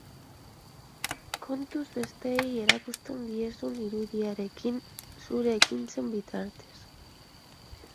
Kontuz besteei erakusten diezun irudiarekin, zure ekintzen bitartez.